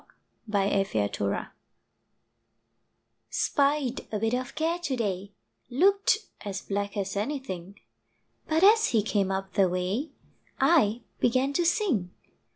EXORCISED SPIED a bit of Care to day, Looked as black as anything, But as he came up the way, I began to sing.